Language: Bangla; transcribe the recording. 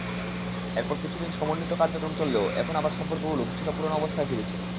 এরপর কিছুদিন সমন্বিত কার্যক্রম চললেও এখন আবার সম্পর্কগুলো কিছুটা পুরোনো অবস্থায় ফিরেছে।